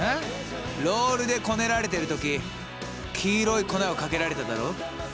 ロールでこねられてる時黄色い粉をかけられただろ？